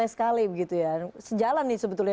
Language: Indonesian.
sekali begitu ya sejalan nih sebetulnya